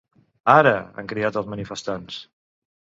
Ara!, han cridat els manifestants.